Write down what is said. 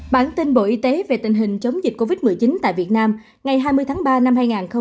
bản tin bộ y tế về tình hình chống dịch covid một mươi chín tại việt nam ngày hai mươi tháng ba năm hai nghìn hai mươi